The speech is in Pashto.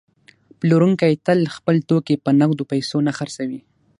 پلورونکی تل خپل توکي په نغدو پیسو نه خرڅوي